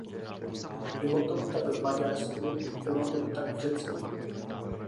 Bylo tomu tak v Maďarsku, bylo tomu tak v Řecku.